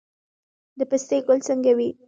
د پستې ګل څنګه وي؟